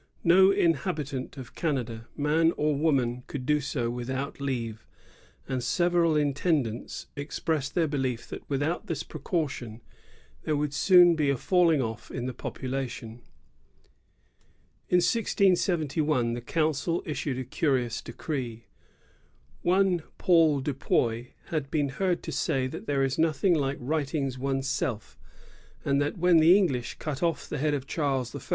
No inhabitant of Canada, man or woman, could do so without leave ; and several intendante express their belief that with out this precaution there would soon be a falling off in the population. In 1671 the council issued a curious decree. One Paul Dupuy had been heard to say that there is noth ing like righting one's self, and that when the English cut off the head of Charies I.